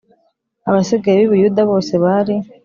Abasigaye b i buyuda bose bari